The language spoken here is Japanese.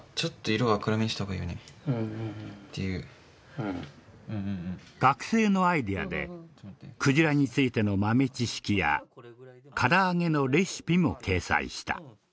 じゃあ学生のアイデアでクジラについての豆知識や唐揚げのレシピも掲載した。